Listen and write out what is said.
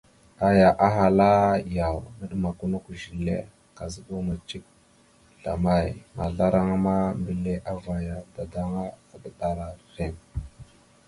Aya ahala: « Yaw, naɗəmakw a nakw zile, kazəɗaw amay cik zlamay? » Mazlaraŋa ma, mbile avayara dadaŋŋa, adaɗəra rrem.